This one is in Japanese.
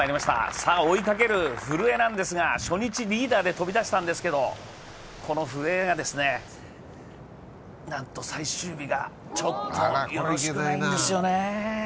さあ追いかける古江なんですが、初日リーダーで飛び出したんですけどこの古江がなんと最終日がちょっとよろしくないんですよね。